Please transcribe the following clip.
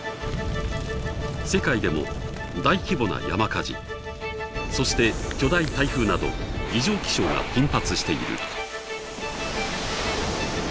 世界でも大規模な山火事そして巨大台風など異常気象が頻発している。